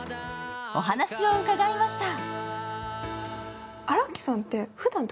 お話を伺いました。